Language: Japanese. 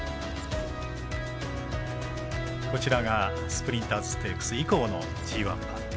こちらがスプリンターズステークス以降のＧＩ馬。